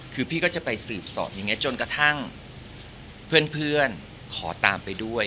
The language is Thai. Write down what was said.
คือพี่ก็จะไปสืบสอบอย่างนี้จนกระทั่งเพื่อนขอตามไปด้วย